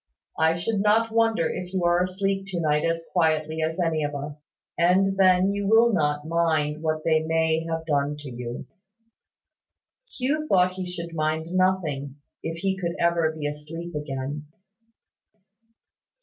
I should not wonder if you are asleep to night as quietly as any of us; and then you will not mind what they may have done to you." Hugh thought he should mind nothing, if he could ever be asleep again.